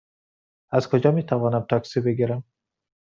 از کجا می توانم تاکسی بگیرم؟